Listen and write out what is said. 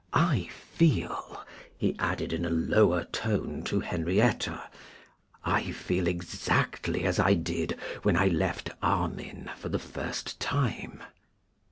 I feel,' he added in a lower tone to Henrietta, 'I feel exactly as I did when I left Armine for the first time.